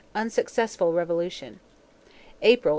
Unsuccessful revolution. April, 1867.